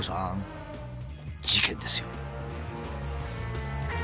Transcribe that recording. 事件ですよ。